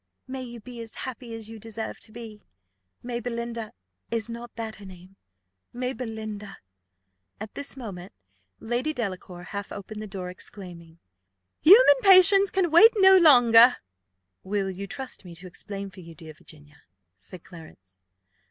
"May you be as happy as you deserve to be! May Belinda is not that her name? May Belinda " At this moment Lady Delacour half opened the door, exclaiming "Human patience can wait no longer!" "Will you trust me to explain for you, dear Virginia?" said Clarence.